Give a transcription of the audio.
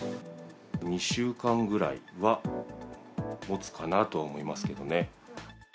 ２週間ぐらいはもつかなとは思いますけどね。